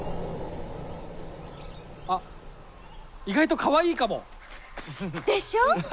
あっ意外とかわいいかも。でしょ？